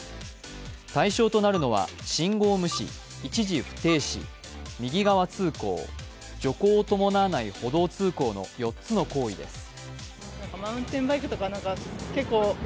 対象となるのは信号無視、一時不停止、右側通行、徐行を伴わない歩道通行の４つの行為です。